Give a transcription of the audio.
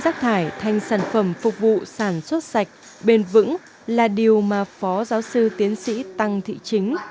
rác thải thành sản phẩm phục vụ sản xuất sạch bền vững là điều mà phó giáo sư tiến sĩ tăng thị chính